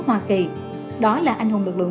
hoa kỳ đó là anh hùng lực lượng